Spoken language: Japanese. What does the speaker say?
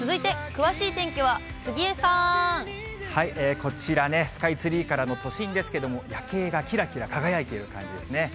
こちらね、スカイツリーからの都心ですけども、夜景がきらきら輝いている感じですね。